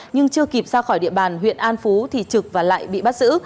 nhưng chưa kịp ra khỏi địa bàn huyện an phú thì trực và lại bị bắt giữ